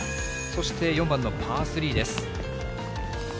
そして、４番のパー３です。